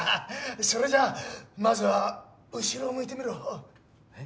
それじゃあまずは後ろを向いてみろ。え？